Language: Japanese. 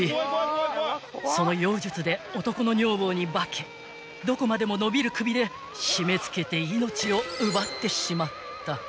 ［その妖術で男の女房に化けどこまでも伸びる首で締め付けて命を奪ってしまった］